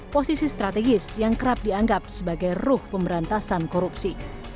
posisi strategis yang kerap dianggap sebagai ruh pemberantasan korupsi